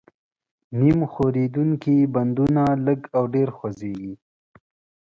نیم ښورېدونکي بندونه لږ او ډېر خوځېږي.